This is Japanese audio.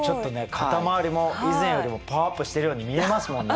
肩周りも以前よりもパワーアップしてるように見えますもんね。